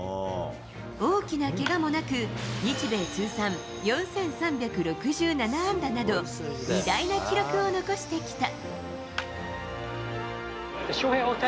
大きなけがもなく、日米通算４３６７安打など、偉大な記録を残してきた。